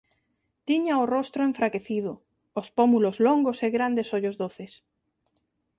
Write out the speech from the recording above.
Tiña o rostro enfraquecido, os pómulos longos e grandes ollos doces.